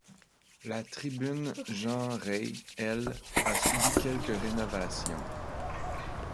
La tribune Jean Rey, elle, a subi quelques rénovations.